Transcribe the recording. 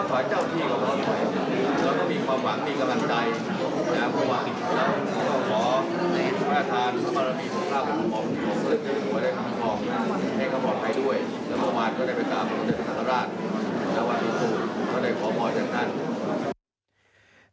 จังหวัดพิภูมิก็ได้ขอบพอดังนั้น